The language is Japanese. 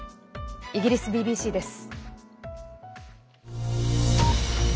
イギリスＢＢＣです。